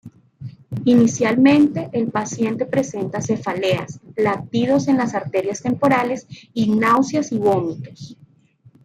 Inicialmente, el paciente presenta cefaleas, latidos en las arterias temporales, y náuseas y vómitos.